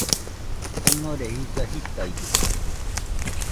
Janore jisa jitaidɨkue.